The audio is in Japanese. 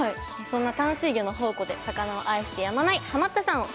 そんな淡水魚の宝庫で魚を愛してやまないハマったさんを取材しました。